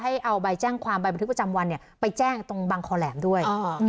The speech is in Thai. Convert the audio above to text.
ให้เอาใบแจ้งความใบบันทึกประจำวันไปแจ้งตรงบังคอแหลมด้วย